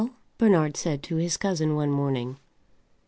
Bernard said to his cousin one morning.